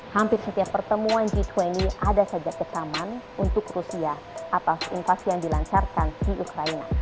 hampir setiap pertemuan g dua puluh ada saja kecaman untuk rusia atas invasi yang dilancarkan di ukraina